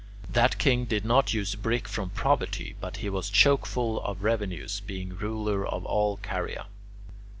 That king did not use brick from poverty; for he was choke full of revenues, being ruler of all Caria.